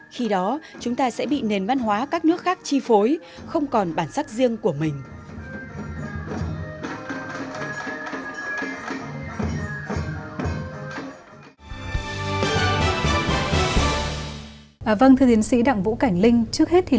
khi đó chúng ta sẽ bị nền văn hóa các nước khác chi phối không còn bản sắc riêng của mình